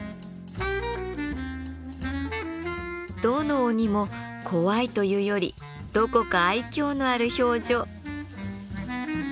どの鬼も怖いというよりどこか愛嬌のある表情。